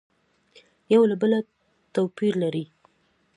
یو له بله تو پیر لري